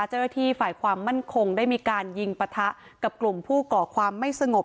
เจ้าหน้าที่ฝ่ายความมั่นคงได้มีการยิงปะทะกับกลุ่มผู้ก่อความไม่สงบ